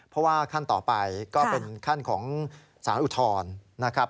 เพราะว่าขั้นต่อไปก็เป็นขั้นของสารอุทธรณ์นะครับ